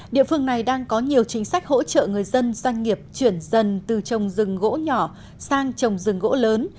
địa phương này đang có nhiều chính sách hỗ trợ người dân doanh nghiệp chuyển dần từ trồng rừng gỗ nhỏ sang trồng rừng gỗ lớn